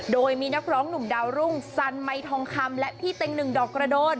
โดยมีนักร้องหนุ่มดาวรุ่งสันไมทองคำและพี่เต็งหนึ่งดอกกระโดน